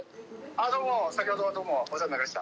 どうも先ほどはどうもお世話になりました。